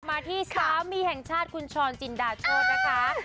มาที่สามีแห่งชาติคุณชรจินดาโชธนะคะ